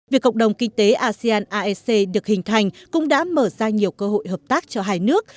việc cộng đồng kinh tế asean aec được hình thành cũng đã mở ra nhiều cơ hội hợp tác cho hai nước